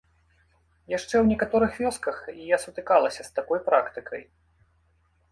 Яшчэ ў некаторых вёсках я сутыкалася з такой практыкай.